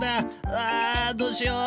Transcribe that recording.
うわどうしよう！